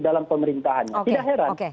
dalam pemerintahannya tidak heran